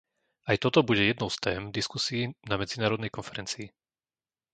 Aj toto bude jednou z tém diskusií na Medzinárodnej konferencii.